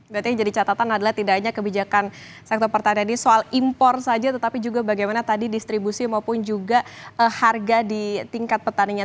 berarti yang jadi catatan adalah tidak hanya kebijakan sektor pertanian ini soal impor saja tetapi juga bagaimana tadi distribusi maupun juga harga di tingkat petaninya